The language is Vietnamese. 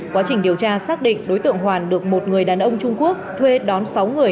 quá trình điều tra xác định đối tượng hoàn được một người đàn ông trung quốc thuê đón sáu người